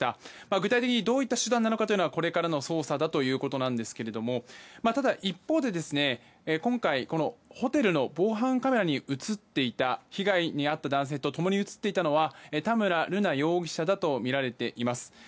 具体的にどういった手段なのかはこれからの捜査だということなんですけれどもただ一方で、今回ホテルの防犯カメラに被害に遭った男性と共に映っていたのは田村瑠奈容疑者だとみられています。